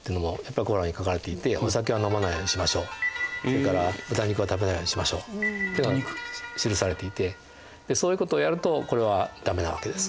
それから豚肉は食べないようにしましょうというのが記されていてそういうことをやるとこれは駄目なわけです。